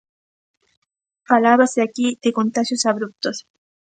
Falábase aquí de contaxios abruptos.